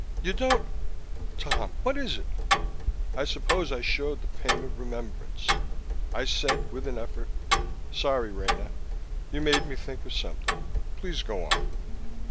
You don't Tom! What is it?" I suppose I showed the pain of remembrance. I said with an effort, "Sorry, Rena. You made me think of something. Please go on."